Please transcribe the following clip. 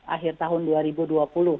akhir tahun dua ribu dua puluh